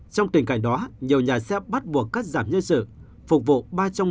trong tình cảnh đó nhiều nhà xe bắt buộc cắt giảm nhân sự phục vụ ba trong